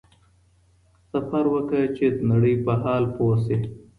سفر وکړه چي د نړۍ په حال پوه شې.